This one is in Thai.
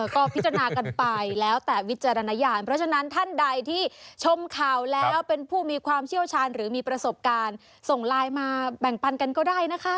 ก็พิจารณากันไปแล้วแต่วิจารณญาณเพราะฉะนั้นท่านใดที่ชมข่าวแล้วเป็นผู้มีความเชี่ยวชาญหรือมีประสบการณ์ส่งไลน์มาแบ่งปันกันก็ได้นะคะ